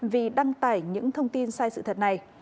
vì đăng tải những thông tin sai sự thật này